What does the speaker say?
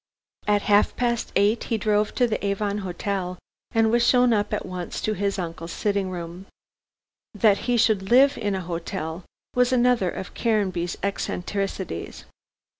At half past eight he drove to the Avon Hotel and was shown up at once to his uncle's sitting room. That he should live in an hotel was another of Caranby's eccentricities.